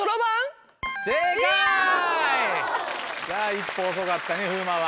一歩遅かったね風磨は。